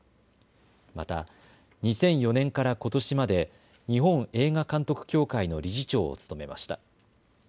また、２００４年からことしまで日本映画監督協会の理事長を務めました。